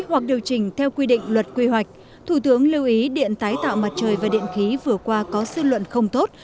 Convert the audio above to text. hoặc điều chỉnh theo quy định luật quy hoạch thủ tướng lưu ý điện tái tạo mặt trời và điện khí vừa qua có sư luận không tốt